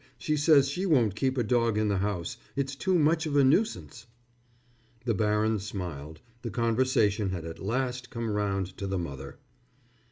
She says she won't keep a dog in the house. It's too much of a nuisance." The baron smiled. The conversation had at last come round to the mother.